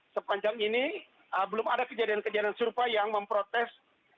sepanjang ini belum ada kejadian kejadian serupa yang memprotes